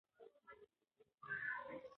سپین سرې وویل چې موږ ته د ځونډي لور په کار ده.